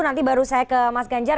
nanti baru saya ke mas ganjar